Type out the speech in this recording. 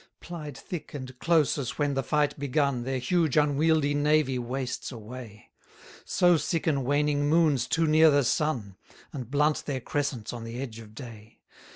125 Plied thick and close as when the fight begun, Their huge unwieldy navy wastes away; So sicken waning moons too near the sun, And blunt their crescents on the edge of day.